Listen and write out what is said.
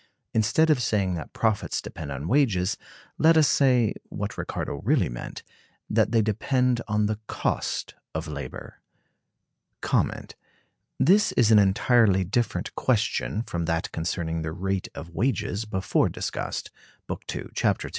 Instead of saying that profits depend on wages, let us say (what Ricardo really meant) that they depend on the cost of labor. This is an entirely different question from that concerning the rate of wages before discussed (Book II, Chap. II).